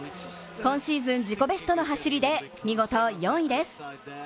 今シーズン自己ベストの走りで見事４位です。